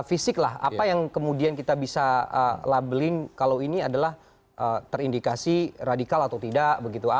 fisik lah apa yang kemudian kita bisa labeling kalau ini adalah terindikasi radikal atau tidak begitu